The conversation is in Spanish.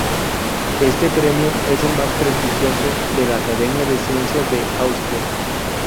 Este premio es el más prestigioso de la Academia de Ciencias de Austria.